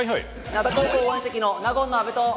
灘高校応援席の納言の安部と。